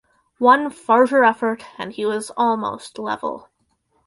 One further effort and he was almost level.